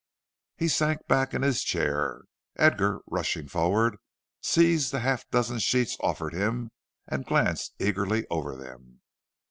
He sank back in his chair. Edgar, rushing forward, seized the half dozen sheets offered him and glanced eagerly over them.